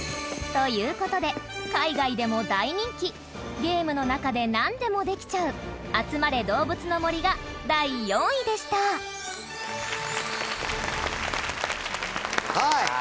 という事で海外でも大人気ゲームの中でなんでもできちゃう『あつまれどうぶつの森』が第４位でした裕二：はい。